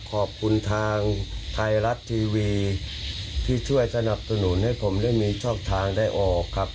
ขอบคุณทางไทยรัฐทีวีที่ช่วยสนับสนุนให้ผมได้มีช่องทางได้ออกครับ